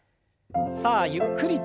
さあゆっくりと。